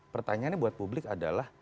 pertanyaannya buat publik adalah